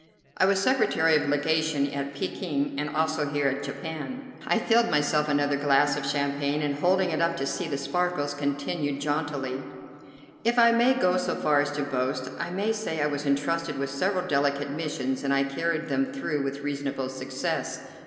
I was secretary of legation at Pekin and also here in Japan." I filled myself another glass of champagne, and, holding it up to see the sparkles, continued jauntily: "If I may go so far as to boast, I may say I was entrusted with several delicate missions, and I carried them through with reasonable success.